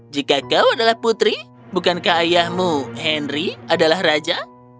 jika kau adalah putri bukankah ayahmu henry adalah raja